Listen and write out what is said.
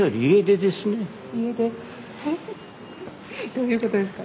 どういうことですか？